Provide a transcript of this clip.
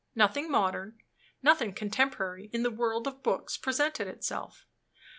Nothing modern, nothing contemporary, in the world of books, presented itself.